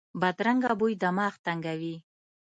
بدرنګه بوی دماغ تنګوي